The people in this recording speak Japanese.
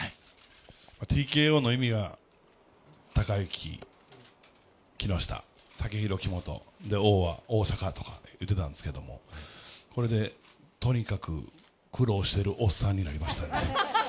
ＴＫＯの意味は、隆行、木下、武宏、木本、でＯは大阪とか言ってたんですけど、これでとにかく苦労してるおっさんになりましたね。